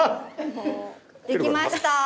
できました。